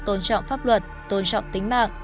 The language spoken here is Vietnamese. tôn trọng pháp luật tôn trọng tính mạng